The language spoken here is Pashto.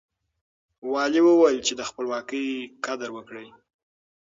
والي وويل چې د خپلواکۍ قدر وکړئ.